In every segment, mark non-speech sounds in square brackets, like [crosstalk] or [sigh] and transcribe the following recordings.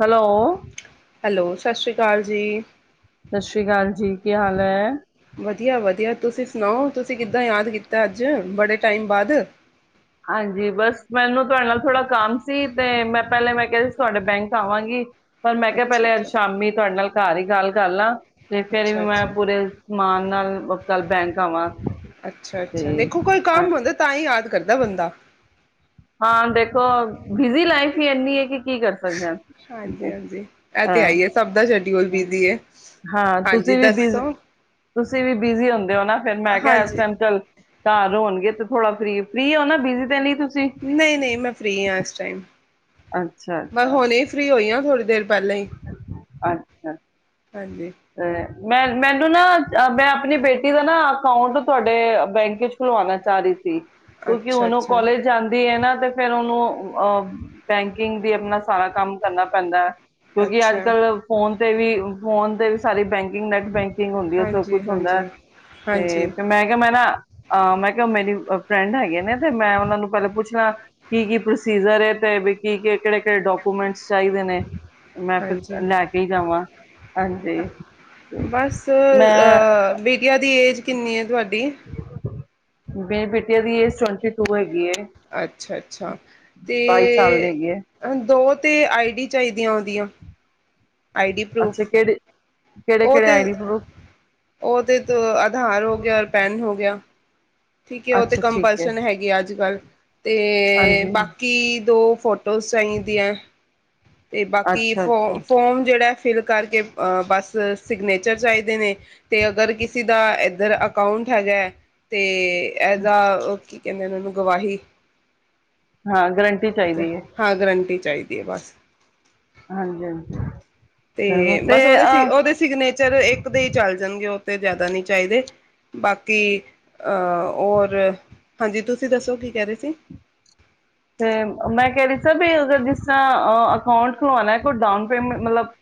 Hello hello ਸਤਿ ਸ਼੍ਰੀ ਅਕਾਲ ਜੀ ਸਤਿ ਸ੍ਰੀ ਅਕਾਲ ਜੀ ਕੀ ਹਾਲ ਹੈ ਵਧੀਆ ਵਧੀਆ ਤੁਸੀਂ ਸੁਣਾਓ ਤੁਸੀਂ ਕਿੱਦਾਂ ਯਾਦ ਕੀਤਾ ਅਤੇ ਅੱਜ ਬੜੇ ਟਾਈਮ ਬਾਅਦ ਹਾਂਜੀ ਬਸ ਮੈਨੂੰ ਤੁਹਾਡੇ ਨਾਲ ਥੋੜਾ ਕੰਮ ਸੀ ਤੇ ਮੈਂ ਪਹਿਲੇ ਮੈਂ ਕਿਹਾ ਸੀ ਤੁਹਾਡੇ ਬੈਂਕ ਆਵਾਂਗੀ ਪਰ ਮੈਂ ਕਿਹਾ ਅੱਛਾ ਪਹਿਲੇ ਅੱਜ ਅੱਛਾ ਸ਼ਾਮੀ ਤੁਹਾਡੇ ਨਾਲ ਘਰ ਹੀ ਗੱਲ ਕਰ ਲਾ ਤੇ ਫੇਰ ਵੀ ਅੱਛਾ ਮੈਂ ਅੱਛਾ ਪੂਰੇ ਸਮਾਨ ਨਾਲ ਕੱਲ ਬੈਂਕ ਆਵਾਂ ਅੱਛਾ ਤੇ ਅੱਛਾ ਦੇਖੋ ਕੋਈ ਹਾਂ ਕੰਮ ਹੁੰਦਾ ਤਾਂ ਹੀ ਯਾਦ ਕਰਦਾ ਦਾ ਬੰਦਾ ਹਾਂ ਦੇਖੋ ਬਿਜੀ ਲਾਈਫ ਹੀ ਇੰਨੀ ਹੈ ਕਿ ਕੀ ਕਰ ਸਕ ਹਾਂਜੀ ਹਾਂਜੀ ਇਹ ਤੇ ਹੈਈ ਹੈ ਅ ਸਭ ਦਾ ਛੱਡ ਤੇ ਹੁਣ ਬਿਜ਼ੀ ਹੈ, ਹਾਂ ਹਾਂਜੀ ਤੁਸੀਂ ਵੀ ਬਿਜ਼ ਦੱਸੋ ਤੁਸੀਂ ਵੀ ਬਿਜ਼ੀ ਹੁੰਦੇ ਓ ਨਾ ਫਿਰ ਮੈਂ ਕਿਹਾ ਇਸ ਹਾਂਜੀ ਟਾਈਮ ਚੱਲ ਘਰ ਹੋਣਗੇ ਤੇ ਥੋੜਾ ਫ੍ਰੀ, ਫ੍ਰੀ ਹੋ ਨਾ ਬਿਜ਼ੀ ਦੇ ਲਈ ਤੁਸੀਂ ਨਹੀਂ ਨਹੀਂ ਮੈਂ ਫ੍ਰੀ ਹਾਂ ਇਸ ਟਾਈਮ ਅੱਛਾ ਬਸ ਅੱਛਾ ਹੁਣੇ ਫ੍ਰੀ ਹੋਈ ਆ ਥੋੜੀ ਪੱਲੇ ਅੱਛਾ ਤੇ ਮੈਂ ਮੈਨੂੰ ਨਾ ਮੈਂ ਆਪਣੀ ਬੇਟੀ ਦਾ ਨਾ ਅਕਾਊਂਟ ਤੁਹਾਡੇ ਬੈਂਕ ਵਿੱਚ ਖੁਲਵਾਣਾ ਚਾਹ ਰਹੀ ਸੀ ਕਿਉਂਕਿ ਅੱਛਾ ਹੁਣ ਉਹ ਅੱਛਾ ਕੋਾਲਜ ਜਾਂਦੀ ਹੈ ਨਾ ਤੇ ਫੇਿਰ ਉਹਨੂੰ ਅਹ ਬੈਂਕਿੰਗ ਦੀ ਆਪਣਾ ਸਾਰਾ ਕੰਮ ਕਰਨਾ ਪੈਂਦਾ ਹੈ, ਕਿਉਂਕਿ ਅੱਛਾ ਅੱਜ-ਕੱਲ ਫੋਨ ਤੇ ਵੀ ਫੋਨ ਤੇ ਸਾਰੀ ਬੈਂਕਿੰਗ ਨੇੈਟ ਬੈਂਕਿੰਗ ਹੁੰਦੀ ਉਹ ਸਭ ਹਾਂਜੀ ਕੁੱਛ ਹੁੰਦਾ ਹਾਂਜੀ ਤੇ ਹਾਂਜੀ ਫਿਰ ਮੈਂ ਕਿਹਾ ਮੈਂ ਨਾ ਅ ਮੈਂ ਕਿਹਾ, ਮੇਰੀ ਫਰੈਂਡ ਹੈਗੇ ਨੇ ਤੇ ਮੈਂ ਉਹਨਾ ਨੂੰ ਪਹਿਲਾਂ ਪੁੱਛਣਾ ਕੀ-ਕੀ ਪ੍ਰੋਸੀਜਰ ਹੈ ਤੇ ਕੀ ਕਿਹੜੇ- ਕਿਹੜੇ ਡਾਕੂਮੈਂਟ ਚਾਹੀਦੇ ਨੇ? ਮੈਂ ਫਿਰ ਹਾਂਜੀ ਲੈ ਕੇ ਹੀ ਜਾਵਾਂ। ਹਾਂਜੀ। ਤੇ ਬਸ ਮੈਂ ਇਹ ਬੀਟੀਆਂ ਦੀ ਏਜ ਕਿੰਨੀ ਹੈ ਤੁਹਾਡੀ? ਦੇਰ ਮੇ ਬੇਟੇ ਦੀ ਏਜ ਟਵੈਂਟੀ ਟੂ ਹੈਗੀ। ਹੈ ਅੱਛਾ-ਅੱਛਾ, ਤੇ ਸਾਲ ਦੀ ਹੈਗੀ ਹੈ ਦੋ ਤੇ ਆਈ ਡੀ ਚਾਹੀਦੀਆਂ ਉਹਦੀਆਂ ਆਈ ਡੀ ਪ੍ਰੂਫ। ਅੱਛਾ ਕਿਹੜੇ ਕਿਹੜੇ ਉਹ ਕਿਹੜੇ ਤੇ ਆਈਡੀ ਪ੍ਰੂਫ ਉਹ ਤੇ ਆਧਾਰ ਹੋ ਗਿਆ, ਔਰ ਪੈਨ ਹੋ ਗਿਆ। ਠੀਕ ਹੈ, ਉਹ ਤੇ ਅੱਛਾ ਠੀਕ ਹੈ ਕੰਪਲਸ਼ਨ ਹੈਗੇਆ ਅੱਜ-ਕੱਲ ਤੇ ਹਾਂਜੀ ਬਾਕੀ ਦੋ ਫੋਟੋਜ਼ ਚਾਹੀਦੀਆਂ। ਤੇ ਬਾਕੀ ਅੱਛਾ ਫੋ ਅੱਛਾ ਫੋਮ ਜਿਹੜਾ ਫਿਲ ਕਰਕੇ ਬਸ ਸਿਗਨੇਚਰ ਚਾਹੀਦੇ ਨੇ। ਤੇ ਅਗਰ ਕਿਸੇ ਦਾ ਇੱਧਰ ਅਕਾਊਂਟ ਹੈਗਾ ਹੈ, ਤੇ ਅ਼ਤੇ ਐਦਾ ਆ ਕੀ ਕਹਿੰਦੇ, ਨੇ ਓਹਨੂੰ ਗਵਾਹੀ। ਹਾਂ ਗਰੰਟੀ ਚਾਹੀਦੀ ਹੈ। ਹਾਂ ਗਰੰਟੀ ਚਾਹੀਦੀ ਹੈ ਬਸ। ਹਾਂਜੀ-ਹਾਂਜੀ। ਤੇ ਬਸ ਉਹਦੇ-ਉਹਦੇ ਸਿਗਨੇਚਰ ਇੱਕ ਦੇ ਹੀ ਚੱਲ ਜਾਣਗੇ ਉਹ ਤੇ ਜ਼ਿਆਦਾ ਨਹੀਂ ਚਾਹੀਦੇ। ਬਾਕੀ ਹਾਂ ਔਰ ਹਾਂਜੀ, ਤੁਸੀਂ ਦੱਸੋ ਕੀ ਕਹਿ ਰਹੇ ਸੀ? ਤੇ ਮੈਂ ਕਹਿ ਰਹੀ ਸੀ ਕੇ ਅਗਰ ਜਿਸ ਤਰ੍ਹਾਂ ਅਕਾਂਟ ਖੁਲਵਾਣਾ ਹੈ ਕੋਈ ਡਾਊਨ ਪੇਮੈਂਟ ਮਤਲਬ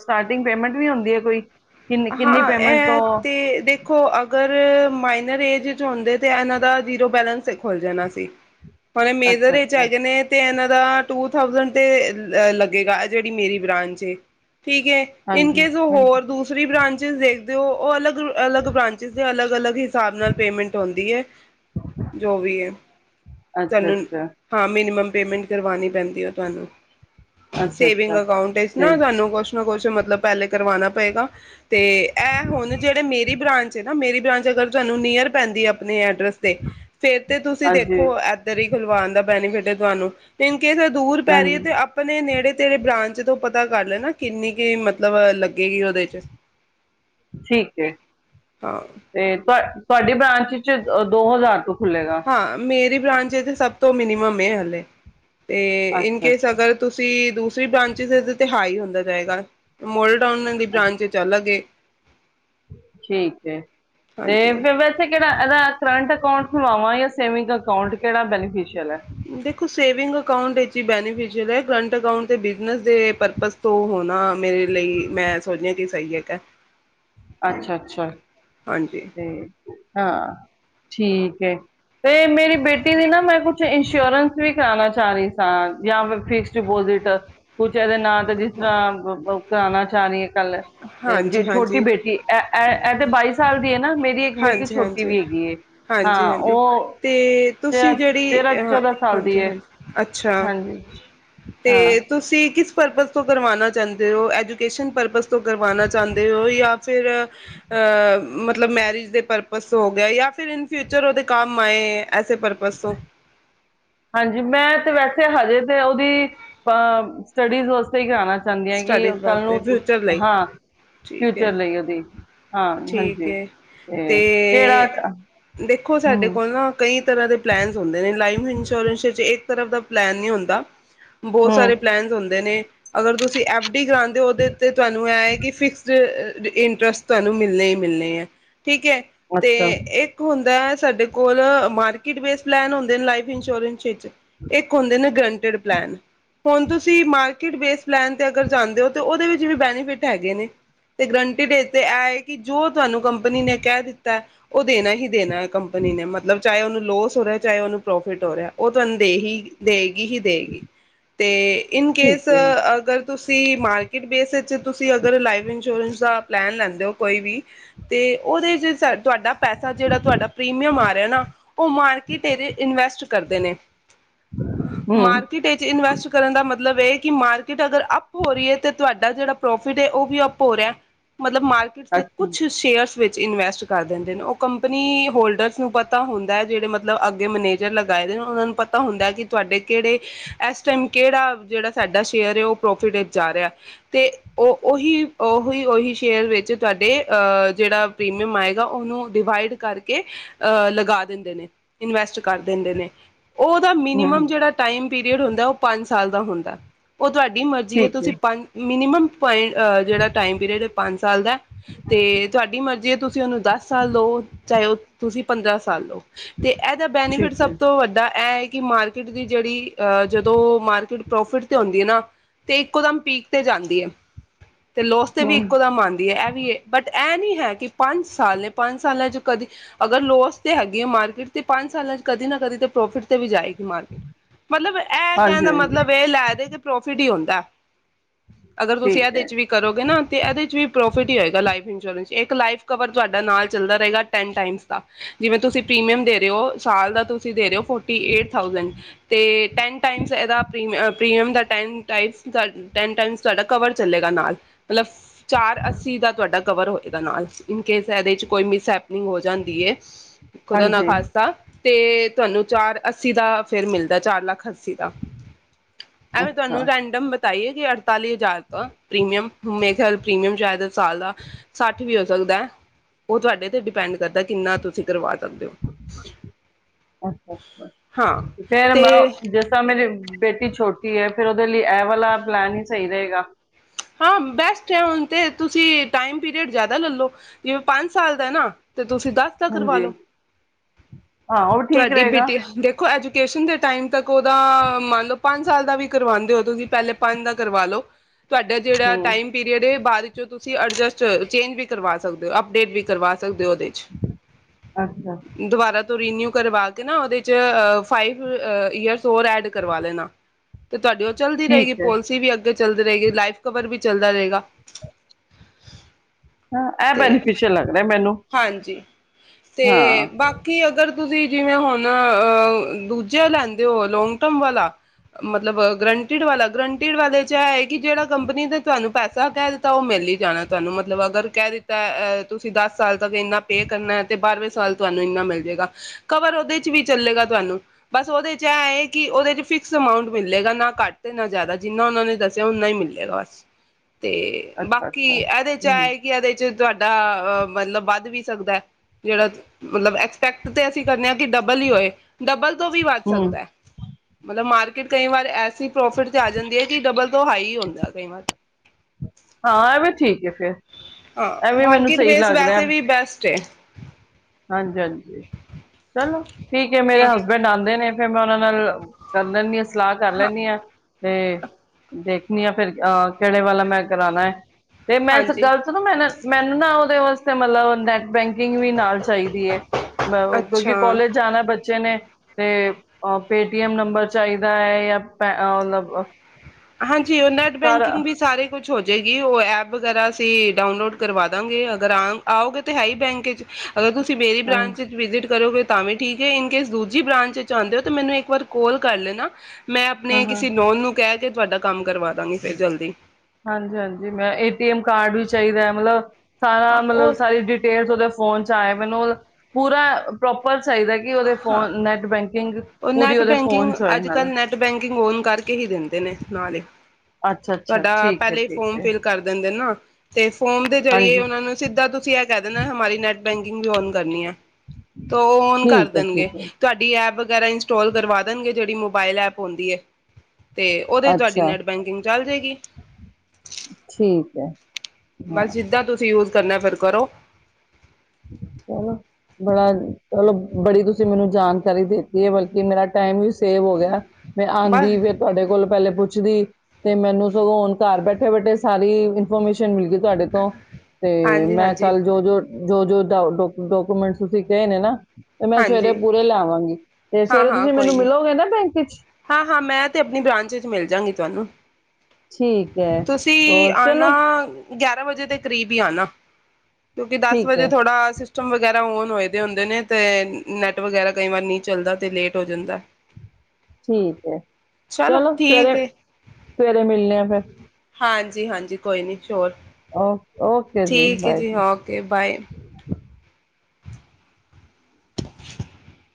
ਸਟਾਰਟਿੰਗ ਪੇਮੈਂਟ ਵੀ ਹੁੰਦੀ ਹੈ ਕੋਈ? ਕਿੰਨੀ ਕਿੰਨੀ ਹਾਂ, ਪੇਮੈਂਟ ਤੋਂ ਇਹ ਤੇ ਦੇਖੋ ਅਗਰ ਮ ਏਹ ਚ ਹੁੰਦੇ ਤੇ ਇਹਨਾਂ ਦਾ ਜੀਰੋ ਬੈਲੈਂਸ ਖੁੱਲ ਜਾਣਾ ਸੀ। ਤੁਹਾਡੇ ਅੱਛਾ ਨੇਬਰ ਚ ਅੱਛਾ ਹੈਗੇ ਨੇ ਤੇ ਇਹਨਾਂ ਉਹਦਾ ਟੂ ਥਾਊਜੈਂਟ ਤੇ ਲੱਗੇਗਾ, ਜਿਹੜੀ ਮੇਰੀ ਬ੍ਰਾਂਚ ਸੀ। ਠੀਕ ਹੈ ਇਨ ਹਾਂਜੀ ਕੇਸ ਉਹ ਹਾਂਜੀ ਹੋਰ ਦੂਸ ਪ੍ਰੀ ਬ੍ਰਾਂਚਿਸ ਦੇਖਦੇ ਹੋ ਉਹ ਅਲੱਗ ਅਲਗ-ਬ੍ਰਾਂਚਿਸ ਦੇ ਅਲੱਗ-ਅਲੱਗ ਹਿਸਾਬ ਨਾਲ ਪੇਮੈਂਟ ਆਉਂਦੀ ਦੀ ਹੈ, ਜੋ ਵੀ ਐ, ਅੱਛਾ ਸਾਨੂੰ ਅੱਛਾ ਹਾਂ ਮਿਨੀਮਮ। ਪੇਮੈਂਟ ਕਰਵਾਣੀ ਪੈਂਦੀ ਹੈ ਤੁਹਾਨੂੰ। ਅੱਛਾ ਸੇਵਿੰਗ ਅੱਛਾ ਅਕਾਊਂਟ ਇਸ ਤੇ ਨਾ ਸਾਨੂੰ ਕੁਛ ਨਾ ਕੁਛ ਮਤਲਬ ਪਹਿਲੇ ਕਰਵਾਣਾ ਪਏਗਾ। ਤੇ ਐ ਹੁਣ ਜਿਹੜੇ ਮੇਰੀ ਬ੍ਰਾਂਚ ਏ ਨਾ ਮੇਰੀ ਬ੍ਰਾਂਚ ਅਗਰ ਤੁਹਾਨੂੰ ਨੀਅਰ ਪੈਂਦੀ ਹੈ ਆਪਣੇ ਐਡ ਰੈਸ ਤੇ ਫਿਰ ਤੇ ਤੁਸੀਂ ਹਾਂਜੀ ਦੇਖੋ ਇਧਰ ਹੀ ਖੁਲਵਾਉਣ ਦਾ ਬੈਨੀਫਿਟ ਹੈ ਤੁਹਾਨੂੰ [unintelligible] ਕਿਤੇ ਦੂਰ ਪੈ ਰਹੀ ਹੈ ਹਾਂਜੀ ਤੇ ਆਪਣੇ ਨੇੜੇ ਤੇੜੇ ਬ੍ਰਾਂਚ ਕਿਤੋਂ ਪਤਾ ਕਰ ਲੈਨਾ ਕਿੰਨੀ ਕੁ ਮਤਲਬ ਲੱਗੇਗੀ ਉਹਦੇ ਚ ਠੀਕ ਐ, ਹਾਂ ਤੇ ਤੁ ਤੁਹਾਡੀ ਬ੍ਰਾਂਚ ਚ ਦੋ ਹਜ਼ਾਰ ਤੋਂ ਖੁੱਲੇਗਾ। ਹਾਂ ਮੇਰੀ ਬ੍ਰਾਂਚ ਚ ਤੇ ਸਭ ਤੋਂ ਮਿਨੀਮਮ ਏ ਹਲੇ। ਤੇ ਅੱਛਾ ਇਨਕੇਸ ਅੱਛਾ ਅਗਰ ਤੁਸੀਂ ਦੂਸਰੀ ਬ੍ਰਾਂਚਸ ਤੇ ਹਾਈ ਹੁੰਦਾ। ਦਿੱਤਾ ਜਾਏਗਾ [unintelligible] ਤਾਂ ਉਹਨਾਂ ਦੀ ਬ੍ਰਾਂਚ ਚ ਚੱਲ ਗਏ। ਠੀਕ ਹੈ ਤੇ ਹਾਂਜੀ ਫਿਰ ਵੈਸੇ ਕਿਹੜਾ ਇਹਦਾ ਕਰੰਟ ਅਕਾਊਂਟ ਖੁਲਵਾਵਾਂ ਜਾਂ ਸੇਵਿੰਗ ਅਕਾਊਂਟ ਕਿਹੜਾ ਬੈਨੀਫਿਸ਼ ਦੇਖੋ ਸੇਵਿੰਗ ਅਕਾਊਟ ਵਿੱਚ ਈ ਬੈਨੀਫਿਸ਼ਅਲ ਐ ਕਰੰਟ ਅਕਾਊਂਟ ਤੇ ਬਿਜ਼ਨਸ ਦੇ ਪਰਪਜ਼ ਤੋਂ ਹੋਣਾ ਮੇਰੇ ਲਈ ਮੈਂ ਸੋਚਿਆ ਕਿ ਸਹੀ ਹੈਗਾ। ਅੱਛਾ ਅੱਛਾ ਹਾਂਜੀ ਤੇ ਹਾਂ, ਠੀਕ ਐ। ਤੇ ਮੇਰੀ ਬੇਟੀ ਦੀ ਨਾ ਮੈਂ ਕੁਛ ਇਸ਼ ਇਨਸ਼ੋਰੈਂਸ ਵੀ ਕਰਾਣਾ ਚਾਹ ਰਹੀ ਸਾਂ ਜਾਂ ਫਿਰ ਫਿਕਸ ਡਿਪੋਜਿਟ ਕੁਛ ਇਹਦੇ ਨਾਲ ਜਿਸ ਤਰ੍ਹਾਂ ਕਰਾਣਾ ਚਾਹ ਰਹੀ ਗੱਲ ਐ ਤੇ ਜੇ ਹਾਂਜੀ ਛੋਟੀ ਹਾਂਜੀ ਬੇਟੀ ਐ ਐ ਐ ਤੇ ਬਾਈ ਸਾਲ ਦੀ ਏ ਨਾ। ਇੱਕ ਬੇਟੀ ਹਾਂਜੀ ਛੋਟੀ ਹਾਂਜੀ ਵੀ ਹੈਗੀ ਹਾਂ ਹਾਂਜੀ ਹਾਂਜੀ ਉਹ ਤੇ ਤੇਰਾਂ ਤੁਸੀਂ ਜਿਹੜੀ ਤੇਰਾਂ ਹਾਂ ਚੌਦਾਂ ਸਾਲ ਦੀ ਹਾਂਜੀ ਹੈ ਹਾਂਜੀ ਅੱਛਾ ਹਾਂਜੀ ਤੇ ਹਾਂ ਤੁਸੀਂ ਕਿਸ ਪਰਪਜ਼ ਤੋਂ ਕਰਵਾਉਣਾ ਚਾਹੁੰਦੇ ਹੋ ਐਜੂਕੇਸ਼ਨ ਪਰਪਜ਼ ਤੋਂ ਕਰਵਾਉਣਾ ਚਾਹੁੰਦੇ ਹੋ ਜਾਂ ਫਿਰ ਮਤਲਬ ਮੈਰਿਜ ਦੇ ਪਰਪਜ਼ ਹੋ ਗਿਆ ਜਾ ਫਿਲਿਨ ਫਿਊਚਰ ਉਹਦੇ ਕਾ ਮੈਂ। ਹਾਂਜੀ ਮੈਂ ਤੇ ਵੈਸੇ ਹਜੇ ਤੇ ਉਹ ਵੀ ਆਪਾਂ ਸਟੱਡੀਜ਼ ਵਾਸਤੇ ਹੀ ਕਹਿਣਾ ਸੀ। ਚਾਂਹਦੀ ਆ ਕਿ ਸਟੱਡੀਜ਼ ਕੱਲ ਵਾਸਤੇ ਨੂੰ ਫਿਊਚਰ ਲਈ ਹਾਂ ਠੀਕ ਫਿਊਚਰ ਹੈ, ਲਈ ਉਹਦੀ ਹਾਂ ਠੀਕ ਹਾਂਜੀ ਹੈ ਜਿਹੜਾ ਤੇ ਦੇਖੋ ਸਾਡੇ ਹੂੰ ਕੋਲ ਨਾ ਕਈ ਤਰ੍ਹਾਂ ਦੇ ਪਲੈਨਜ ਹੁੰਦੇ ਨੇ ਲਾਈਫ ਇੰਸ਼ੋਰੈਂਸ ਵਿੱਚ ਇਹ ਤਰਫ ਦਾ ਪਲੈਨ ਨਹੀਂ ਹੁੰਦਾ।। ਬਹੁਤ ਸਾਰੇ ਹੂੰ ਪਲੈਨਜ ਹੁੰਦੇ ਨੇ। ਅਗਰ ਤੁਸੀਂ ਤੁਸੀਂ ਐਫ ਤੁਸੀਂ ਕਰਾਂਦੇ ਹੋ ਉਹਦੇ ਤੇ ਤੁਹਾਨੂੰ ਇਹ ਹੈ ਕਿ ਫਿਕਸਡ ਇੰਟਰਸਟ ਤੁਹਾਨੂੰ ਮਿਲਣੇ ਹੀ ਮਿਲਣੇ ਆ। ਠੀਕ ਹੈ ਤੇ ਅੱਛਾ ਇੱਕ ਹੁੰਦਾ ਸਾਡੇ ਕੋਲ ਮਾਰਕੀਟ ਬੇਸ ਪਲੈਨ ਹੁੰਦਾ। ਇਨ ਲਾਈਫ ਇੰਸ਼ੋਰੈਂਸ ਵਿੱਚ ਇੱਕ ਹੁੰਦੇ ਨੇ ਗਰੰਟਿਡ ਪਲੈਨ ਹੁਣ ਤੁਸੀਂ ਮਾਰ ਕਿਸ ਬੇਸ ਪਲੈਨ ਅਗਰ ਜਾਂਦੇ ਹੋ ਤੇ ਉਹਦੇ ਵਿੱਚ ਵੀ ਬੈਨੀਫਿਟ ਹੈਗੇ ਨੇ ਤੇ ਗਰੰਟਿਡ ਇਹ ਤੇ ਹੈ ਕਿ ਜੋ ਤੁਹਾਨੂੰ ਕੰਪਨੀ ਨੇ ਕਹਿ ਦਿੱਤਾ। ਉਹ ਦੇਣਾ ਹੀ ਦੇਣਾ ਕੰਪਨੀ ਨੇ ਮਤਲਬ ਚਾਹੇ ਉਹਨੂੰ ਲੋਸ ਹੋ ਰਿਹਾ ਚਾਹੇ ਉਹਨੂੰ ਪ੍ਰੋਫਿਟ ਹੋ ਰਿਹਾ ਉਹ ਤੁਹਾਨੂੰ ਦੇ ਹੀ ਦੇ ਦੇ ਹੀ ਦੇਵੇਗੀ ਤੇ ਇਨ ਠੀਕ ਕੇਸ ਹੈ ਅਗਰ ਤੁਸੀਂ ਮਾਰਕੀਟ ਬੇਸ ਵਿੱਚ ਤੁਸੀਂ ਅਗਰ ਲਾਈਫ ਇੰਸ਼ੋਰੈਂਸ ਦਾ ਪਲੈਨ ਲੈਂਦੇ ਹੋ ਕੋਈ ਵੀ ਤੇ ਉਹਦੇ ਚ ਸਰ ਤੁਹਾਡਾ ਪੈਸਾ ਜਿਹੜਾ ਤੁਹਾਡਾ ਪ੍ਰੀਮੀਅਮ ਆ ਰਿਹਾ ਨਾ ਉਹ ਮਾਰਕੀਟ ਚ ਇਨਵੈਸਟ ਕਰਦੇ ਨੇ ਹੂੰ ਮਾਰਕੀਟ ਚ ਇਨਵੈਸਟ ਕਰਨ ਦਾ ਮਤ ਮਤਲਬ ਇਹ ਕਿ ਮਾਰਕੀਟ ਅਗਰ ਅਪ ਹੋ ਰਹੀ ਹੈ ਤੇ ਤੁਹਾਡਾ ਜਿਹੜਾ ਪ੍ਰੋਫਿਟ ਹੈ ਉਹ ਵੀ ਅੱਪ ਹੋ ਰਿਹਾ। ਮਤਲਬ ਮਾਰਕੀਟ ਦੇ ਅੱਛਾ ਕੁੱਛ ਸ਼ੇਅਰਸ ਵਿੱਚ ਇਨਵੈਸਟ ਕਰ ਦਿੰਦੇ ਨੇ। ਉਹ ਕੰਪਨੀ ਹੋਲਡਰਸ ਨੂੰ ਪਤਾ ਹੁੰਦਾ ਏ ਜਿਹੜੇ ਮਤਲਬ ਅੱਗੇ ਮੈਨੇਜਰ ਲਗਾਏ ਦੇ ਨੇ ਉਹਨਾਂ ਨੂੰ ਪਤਾ ਹੁੰਦਾ ਕਿ ਤੁਹਾਡੇ ਕਿਹੜੇ ਇਸ ਟਾਈਮ ਕਿਹੜਾ ਜਿਹੜਾ ਸਾਡਾ ਸ਼ੇਅਰ ਹੈ ਉਹ ਪ੍ਰੋਫਿਟ ਏਚ ਜਾ ਰਿਹਾ ਤੇ ਉਹ ਉਹੀ ਉਹੀ ਉਹੀ ਸ਼ੇਅਰ ਵਿੱਚ ਤੁਹਾਡੇ ਅ ਜਿਹੜਾ ਪ੍ਰੀਮੀਅਮ ਆਏਗਾ ਉਹਨੂੰ ਡਿਵਾਈਡ ਕਰਕੇ ਅ ਲਗਾ ਦਿੰਦੇ ਨੇ, ਇਨਵੈਸਟ ਕਰ ਦਿੰਦੇ ਨੇ। ਉਹਦਾ ਮਿਨੀਮਮ ਹੂੰ ਜਿਹੜਾ ਟਾਈਮ ਪੀਰੀਅਡ ਹੁੰਦਾ ਉਹ ਪੰਜ ਸਾਲ ਦਾ ਹੁੰਦਾ। ਉਹ ਤੁਹਾਡੇ ਨੀ ਮਰਜ਼ੀ ਏ ਠੀਕ ਹੈ ਤੁਸੀਂ ਪੰਜ ਮਨੀਮਮ। [unintelligible] ਜਿਹੜਾ ਟਾਈਮ ਪੀਰੀਅਡ ਪੰਜ ਸਾਲ ਦਾ ਤੇ ਤੁਹਾਡੀ ਮਰਜ਼ੀ ਏ ਤੁਸੀਂ ਤੁਸੀਂ ਉਹਨੂੰ ਦਸ ਸਾਲ ਲੋ, ਚਾਹੇ ਉਹ ਤੁਸੀਂ ਪੰਦਰਾਂ ਸਾਲ ਲੋ। ਤੇ ਇਹਦਾ ਬੈਨੀਫਿਟ ਠੀਕ ਸਭ ਹੈ ਤੋਂ ਵੱਡਾ ਇਹ ਕਿ ਮਾਰਕੀਟ ਦੀ ਜਿਹੜੀ ਅ ਜਦੋਂ ਮਾਰਕੀਟ ਪ੍ਰੋਫਿਟ ਤੇ ਹੁੰਦੀ ਏ ਨਾ। ਤੇ ਇੱਕੋ ਦਮ ਪੀਕ ਤੇ ਜਾਂਦੀ ਏ। ਤੇ ਲੋਸ ਤੇ ਵੀ ਹੂੰ ਇੱਕੋ ਦਮ ਆਂਦੀ ਏ। ਇਹ ਵੀ ਏ ਬਟ ਇਹ ਨੀ ਹੈ ਕਿ ਪੰਜ ਸਾਲ ਨੇ, ਪੰਜ ਸਾਲਾਂ ਚ ਕਦੇ ਅਗਰ ਲੋਸ ਤੇ ਹੈਗੀ ਏ ਮਾਰਕੀਟ ਤੇ ਪੰਜ ਸਾਲਾਂ ਚ ਕਦੇ ਨਾ ਕਦੇ ਤਾਂ ਪ੍ਰੋਫਿਟ ਤੇ ਵੀ ਜਾਏ ਮਾਰਕਿੱਟ ਮਤਲਬ ਇਹ ਹਾਂਜੀ ਕਹਿਣਦਾ ਹਾਂਜੀ ਮਤਲਬ ਏ ਲੈਦੇ ਕੇ ਪ੍ਰੋਫਿਟ ਈ ਹੁੰਦ [unintelligible] ਅਗਰ ਤੁਸੀਂ ਠੀਕ ਇਹਦੇ ਹੈ ਚ ਵੀ ਕਰੋਗੇ ਨਾ ਤੇ ਇਹਦੇ ਚ ਵੀ ਪ੍ਰੋਫਿਟ ਈ ਹੋਏਗਾ ਲਾਈਫ ਇੰਸ਼ੋਰੈਂਸ ਇੱਕ ਲਾਈਫ ਕਵਰ ਤੁਹਾਡਾ ਨਾਲ ਚੱਲਦਾ ਰਹੇਗਾ ਟੈਨ ਟਾਈਮਸ ਦਾ। ਜਿਵੇਂ ਤੁਸੀਂ ਪ੍ਰੀਮੀਅਮ ਦੇ ਰੇ ਓ ਸਾਲ ਦਾ ਤੁਸੀਂ ਦੇ ਰੇ ਓ ਫੋਟੀ ਏਟ ਥਾਊਜੈਂਡ। ਤੇ ਟੈਨ ਟਾਈਮਸ ਇਹਦਾ ਪ੍ਰੀਮ ਅ ਪ੍ਰੀਮੀਅਮ ਦਾ ਟੈਨ ਟਾਈਪਸ ਤੁਹਾਡ ਟੈਨ ਟਾਈਮ ਤੁਹਾਡਾ ਕਵਰ ਚਲੇਗਾ ਨਾਲ ਮਲਬ ਚਾਰ ਅੱਸੀ ਦਾ ਤੁਹਾਡਾ ਕਵਰ ਹੋਏਗਾ ਨਾਲ [unintelligible] ਇਹਦੇ ਚ ਕੋਈ ਮਿਸਹੇਪ [unintelligible] ਹੋ ਜਾਂਦੀ ਏ। ਖੁਦਾ ਨਾ ਹਾਂਜੀ ਖਸਦਾ। ਤੇ ਤੁਹਾਨੂੰ ਚਾਰ ਅੱਸੀ ਦਾ ਫੇਰ ਮਿਲਦਾ ਏ ਚਾਰ ਲੱਖ ਅਸ ਸੀਗਾ ਐਵੇਂ ਤੁਹਾਨੂੰ ਅੱਛਾ ਮੈਮ ਬਤਾਈਏ ਕਿ ਅੜਤਾਲੀ ਹਜ਼ਾਰ ਦਾ ਪ੍ਰੀਮੀਅਮ ਮੇਰੇ ਖ਼ਿਆਲ ਪ੍ਰੀਮੀਅਮ ਸ਼ੈਦ ਸਾਲ ਦਾ ਸੱਠ ਵੀ ਹੋ ਸਕਦਾ ਏ। ਉਹ ਤੁਹਾਡੇ ਤੇ ਡਿਪੈਂਡ ਕਰਦਾ ਕਿੰਨਾ ਤੁਸੀਂ ਕਰਵਾ ਸਕਦੇ ਹੋ [unintelligible] ਹਾਂ ਫੇਰ ਤੇ ਮ ਜੈਸਾ ਮੇਰੇ ਬੇਟੀ ਛੋਟੀ ਏ ਫੇਰ ਉਹਦੇ ਲਈ ਇਹ ਵਾਲਾ ਪਲੈਨ ਈ ਸਹੀ ਰੇਗਾ। ਹਾਂ ਬੈਸਟ ਏ ਹੁਣ ਤੇ, ਤੁਸੀਂ ਟਾਈਮ ਪੀਰੀਅਡ ਜ਼ਿਆਦਾ ਲੈਲੋ ਜਿਵੇਂ ਪੰਜ ਸਾਲ ਦਾ ਏ ਨਾ ਤੇ ਤੁਸੀਂ ਦੱਸ ਦਾ ਕਰਵਾ ਹਾਂਜੀ ਲਓ ਹਾਂ ਉਹ ਠੀਕ ਤੁਹਾਡੀ ਰਹੇਗਾ ਬੇਟੀ ਦੇਖੋ ਅਜੂ [unintelligible] ਟਾਈਮ ਤਕ ਉਹਦਾ ਮੰਨ ਲੋ ਪੰਜ ਸਾਲ ਦਾ ਵੀ ਕਰਵਾਂਦੇ ਓ ਤੁਸੀਂ ਪੇਹਲੇ ਪੰਜ ਦਾ ਕਰਵਾ ਲੋ। ਤੁਹਾਡਾ ਜਿਹੜਾ ਹੂੰ ਟਾਈਮ ਪੀਰੀਅਡ ਏ ਬਾਅਦ ਵਿੱਚੋ ਤੁਸੀਂ ਅਡਜਸਟ ਚੇਂਜ ਵੀ ਕਰਵਾ ਸਕਦੇ ਓ ਅਪਡੇਟ ਵੀ ਕਰਵਾ ਸਕਦੇ ਹੋ ਉਹਦੇ ਚ ਅੱਛਾ ਦੁਬਾਰਾ ਰੀਨਿਊ ਕਰਵਾ ਕੇ ਨਾ ਉਹਦੇ ' ਫਾਈਵ ਈਅਰਸ ਹੋਰ ਐਡ ਕਰਵਾ ਲੈਣਾ ਤੇ ਤੁਹਾਡੇ ਚੱਲਦੀ ਰਹੇਗੀ ਠੀਕ ਹੈ ਪੋਲਿਸੀ ਵੀ ਅੱਗੇ ਚੱਲਦੀ ਯੇ ਲਾਈਫ ਕਵਰ ਫਿਰ ਵੀ ਚੱਲਦਾ ਰਹੇਗਾ ਹ ਇਹ ਤੇ ਬੈਨੀਫਿਸ਼ਅਲ ਲੱਗ ਰਿਹਾ ਮੈਨੂੰ ਹਾਂਜੀ ਤੇ ਹਾਂ ਬਾਕੀ ਅਗਰ ਤੁਸੀਂ ਜਿਵੇਂ ਹੁਣ ਅ ਦੂਜੇ ਲੈਂਦੇ ਹੋ ਲੋਂਗ ਟਰਮ ਵਾਲਾ ਮਤਲਬ ਗਰੰਟਿਡ ਵਾਲਾ ਗਰੰਟਿਡ ਵਾਲੇ ਚ ਹੈ ਕਿ ਜਿਹੜਾ ਕੰਪਨੀ ਦੇ ਤੁਹਾਨੂੰ ਪੈਸਾ ਤਾਂ ਕਹ ਉਹ ਮਿਲਲੀ ਜਾਣਾ ਤੁਹਾਨੂੰ ਮਤਲਬ ਅਗਰ ਕਹਿ ਦਿੱਤਾ ਅਹ ਤੁਸੀਂ ਦਸ ਸਾਲ ਤੱਕ ਇੰਨਾ ਪੇ ਕਰਨਾ ਹੈ ਤੇ ਬਾਰਵੇਂ ਸਾਲ ਤੁਹਾਨੂੰ ਇੰਨਾ ਮਿਲ ਜਾਏਗਾ ਕਵਰ ਉਹਦੇ ਚ ਵੀ ਚੱਲੇਗਾ ਤੁਹਾਨੂੰ ਬਸ ਉਹਦੇ ਚ ਇਹ ਇਹ ਕਿ ਉਹਦੇ ਚ ਫਿਕਸ ਅਮਾਊਂਟ ਮਿਲੇਗਾ ਨਾ ਘੱਟ ਤੇ ਨਾ ਜ਼ਿਆਦਾ ਜਿੰਨਾ ਉਹਨਾਂ ਨੇ ਚਲੋ ਨਹੀਂ ਮਿਲੇਗਾ ਬਸ ਤੇ ਅੱਛਾ ਬਾਕੀ ਅੱਛਾ ਇਹਦੇ ਚ ਹੂੰ ਆਏ ਕਿ ਇਹਦੇ ਚ ਤੁਹਾਡਾ ਅ ਮਤਲਬ ਵੱਧ ਵੀ ਸਕਦਾ ਹੈ ਜਿਹੜਾ ਮਤਲਬ ਐਕਸਪੈਕਟ ਤੇ ਅਸੀਂ ਕਰਨੇ ਹਾਂ ਡਬਲ ਹੀ ਹੋਏ ਡਬਲ ਤੋਂ ਵੀ ਵੱਧ ਹੂੰ ਸਕਦਾ ਮਤਲਬ ਮਾਰਕ ਕਈ ਵਾਰ ਐਸੀ ਪ੍ਰੋਫਿਟ ਤੇ ਆ ਜਾਂਦੀ ਹੈ ਕਿ ਡਬਲ ਦੋ ਹਾਈ ਹੁੰਦਾ ਕਈ ਵਾਰ ਹਾਂ ਇਹ ਵੀ ਠੀਕ ਹੈ ਫਿਰ ਹਾਂ ਐਵੇਂ ਮੈਨੂੰ ਮਾਰਕੀਟ ਸਹੀ ਬੇਸ ਲੱਗ ਰਿਹਾ ਵੈਸੇ ਵੀ ਬੈਸਟ ਹੈ ਹਾਂਜੀ ਹਾਂਜੀ ਚਲੋ ਠੀਕ ਹੈ ਮੇਰੇ ਹਾਂ ਹਸਬੈਂਡ ਆਉਂਦੇ ਨੇ ਫਿਰ ਮੈਂ ਉਹਨਾਂ ਨਾਲ ਕਰ ਲੈਂਦੀ ਹ ਸੀ ਸਲਾਹ ਕਰ ਲੈਂਨੇ ਹਾਂ ਤੇ ਦੇਖਣੀ ਆ ਫੇਿਰ ਅਹ ਕਿਹੜੇ ਵਾਲਾ ਮੈਂ ਕਰਾਣਾ ਹੈ ਤੇ ਮੈਂ ਹਾਂਜੀ ਗਲ ਸੁ ਨਾ ਮੈਨੂੰ ਮੈਨੂੰ ਨਾ ਉਹਦੇ ਵਾਸਤੇ ਤੇ ਮਤਲਬ ਹੋਂਦਾ ਹੈ ਬੈਂਕਿੰਗ ਵੀ ਨਾਲ ਕੀਦੀ ਹੈ ਕਿਉਂਕਿ ਅੱਛਾ ਕਾਲਜ ਜਾਣਾ ਬੱਚੇ ਨੇ ਤੇ ਪੇਟੀਐਮ ਨੰਬਰ ਚਾਹੀਦਾ ਹੈ ਜਾਂ ਪ ਮਤਲਬ ਹਾਂਜੀ ਜੀ ਔ ਨੇਟ ਸਾਰਾ ਬੈਂਕਿੰਗ ਵੀ ਸਾਰੇ ਕੁਛ ਹੋ ਜਾਏਗੀ ਉਹ ਐਪ ਵਗੈਰਾ ਜ ਤੇ ਡਾਊਨਲੋਡ ਕਰਵਾਦਾਂਗੇ। ਗ੍ਰਾਂਹਕ ਆਓਗੇ ਤੇ ਹੈ ਹੀ ਬੈਂਕ ਚ ਅਗਰ ਤੁਸੀਂ ਮੇਰੀ ਹਾਂ ਬ੍ਰਾਂਚ ਵਿੱਚ ਵਿਜਿਟ ਕਰੋਗੇ ਤਾਂ ਵੀ ਠੀਕ ਹੈ ਇਨਕੇਸ ਦੂਜੀ ਬ੍ਰਾਂਚ ਚ ਆਉਂਦੇ ਹੋ ਤੇ ਮੈਨੂੰ ਇੱਕ ਵਾਰ ਕੋਲ ਕਰ ਲੈਣਾ। ਮੈਂ ਹਾਂ ਆਪਣੇ ਹਾਂ ਕਿਸੇ ਨੋਨ ਨੂੰ ਕਹਿ ਕੇ ਤੁਹਾਡਾ ਕੰਮ ਕਰਵਾਦਾਂਗੀ ਫਿਰ ਜਲਦੀ। ਹਾਂਜੀ- ਹਾਂਜੀ ਮੈਂ ਏਟੀਐਮ ਕਾਰਡ ਵੀ ਚਾਹੀਦਾ ਹੈ ਮਤਲਬ ਸਾਰਾ ਮਤਲਬ ਉਹ ਸਾਰੀ ਡਿਟੇਲ ਉਹਦੇ ਫੋਨ ਚ ਆਇਆ। ਮੈਨੂਅਲ ਪੂਰਾ ਪ੍ਰੋਪਰ ਚਾਹੀਦਾ ਕਿ ਉਹਦੇ ਹਾਂ, ਫੋਨ ਨੈਟ ਬੈਂਕਿੰਗ ਉਹ ਪੂਰੀ ਨੈਟ ਉਹਦੇ ਬੈਂਕਿੰਗ ਫੋਨ ਚ ਹੋਏ ਅੱਜ ਨਾਲ ਕੱਲ੍ਹ ਨੈੱਟ ਬੈਂਕਿੰਗ ਓਨ ਕਰਕੇ ਹੀ ਦਿੰਦੇ ਨੇ ਨਾਲੇ। ਅੱਛਾ ਅੱਛਾ ਤੁਹਾਡਾ ਠੀਕ ਹੈ ਪਹਿਲੇ ਠੀਕ ਫੋਰਮ ਹੈ ਫਿਲ ਕਰ ਦਿੰਦੇ ਨਾ। ਤੇ ਫੋਨ ਦੇ ਜਰੀਏ ਹਾਂਜੀ ਉਹਨਾਂ ਨੂੰ ਸਿੱਧਾ ਤੁਸੀਂ ਇਹ ਕਹਿ ਦੇਣਾ ਹਮਾਰੀ ਨੈਟ ਬੈਂਕਿੰਗ ਵੀ ਓਨ ਕਰਨੀ ਹੈ ਤੋ ਉਹ ਓਨ ਕਰ ਠੀਕ ਹੈ ਠੀਕ ਤੁਹਾਡੀ ਇਹ ਐਪ ਵਗੈਰਾ ਇੰਸਟਾਲ ਕਰਵਾ ਦੇਣਗੇ ਜਿਹੜੀ ਮੋਬਾਈਲ ਐਪ ਹੁੰਦੀ ਹੈ। ਅਤੇ ਉਹਦੇ ਹੈ ਤੁਹਾਡੀ ਅੱਛਾ ਨੈਟ ਬੈਂਕਿੰਗ ਚੱਲ ਜਾਏਗੀ। ਠੀਕ ਹੈ ਹਾਂ ਬਸ ਜਿੱਦਾਂ ਤੁਸੀਂ ਯੂ। ਕਰਨਾ ਫਿਰ ਕਰੋ। ਚਲੋ ਬੜਾ ਚਲੋ ਬੜੀ ਤੁਸੀਂ ਮੈਨੂੰ ਜਾਣਕਾਰੀ ਦਿੱਤੀ ਹੈ ਬਲਕਿ ਮੇਰਾ ਟਾਈਮ ਵੀ ਸੇਵ ਹੋ ਗਿਆ ਮੈਂ ਬਸ ਆਉਂਦੀ ਫਿਰ ਤੁਹਾਡੇ ਕੋਲ ਪਹਿਲੇ ਪੁੱਛ ਵਿੱਚ ਦੀ ਤੇ ਮੈਨੂੰ ਸਗੋਂ ਹੁਣ ਘਰ ਬੈਠੇ- ਬੈਠੇ ਸਾਰੀ ਇਨਫੋਰਮੇਸ਼ਨ ਮਿਲ ਗਈ। ਤੁਹਾਡੇ ਤੋਂ ਤੇ ਹਾਂਜੀ ਮੈਂ ਹਾਂਜੀ ਕੱਲ ਜੋ ਜੋ ਜੋ ਜੋ ਡੋਕੂਮੈਂਟ ਤੁਸੀਂ ਕਹੇ ਨੇ ਨਾ ਤੇ ਮੈਂ ਸਵੇਰੇ ਹਾਂਜੀ ਪੂਰੇ ਲੈ ਆਵਾਂਗੀ ਤੇ ਹਾਂ ਸਵੇਰੇ ਹਾਂ ਤੁਸੀਂ ਮੈਨੂੰ ਕੋਈ ਨਹੀਂ ਮਿਲੋਗੇ ਨਾ ਬੈਂਕ ਚ। ਹਾਂ ਹਾਂ ਮੈਂ ਤੇ ਆਪਣੀ ਬ੍ਰਾਂਚ ਵਿੱਚ ਮਿਲਜਾਂਗੀ ਤੁਹਾਨੂੰ। ਠੀਕ ਹੈ ਤੁਸੀਂ ਹੋਰ ਆਣਾ। ਚਲੋ ਗਿਆਰਾਂ ਵਜੇ ਦੇ ਕਰੀਬ ਹੀ ਆਣਾ। ਕਿਉਂਕਿ ਦਸ ਠੀਕ ਵਜੇ ਹੈ ਥੋੜਾ ਅਸੀੰ ਸਿਸਟਮ ਵਗੈਰਾ ਓਨ ਹੋਏ ਦੇ ਹੁੰਦੇ ਨੇ ਤੇ ਨੈਟ ਵਗੈਰਾ ਕਈ ਵਾਰ ਨਹੀਂ ਚੱਲਦਾ ਤੇ ਲੇਟ ਹੋ ਜਾਂਦਾ। ਠੀਕ ਹੈ ਚਲੋ ਠੀਕ ਸਵੇਰੇ- ਹੈ ਸਵੇਰੇ ਮਿਲਣੇ ਆ ਫਿਰ। ਹਾਂਜੀ- ਹਾਂਜੀ ਕੋਈ ਨਹੀਂ ਸ਼ੋਰ। ਆਹ। ਠੀਕ ਹੈ ਜੀ ਹਾਂ ਓਕੇ ਬਾਏ।